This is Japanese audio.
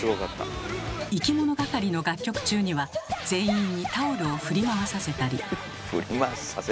いきものがかりの楽曲中には全員にタオルを振り回させたり。